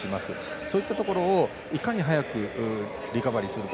そういったところをいかに早くリカバリーするか。